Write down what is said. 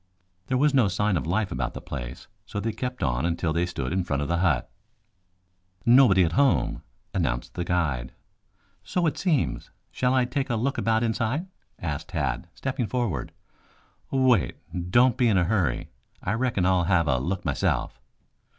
There was no sign of life about the place, so they kept on until they stood in front of the hut. "Nobody at home," announced the guide. "So it seems. Shall I take a look about inside?" asked Tad, stepping forward. "Wait! Don't be in a hurry. I reckon I'll have a look myself."